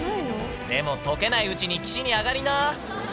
でも、とけないうちに岸に上がりな。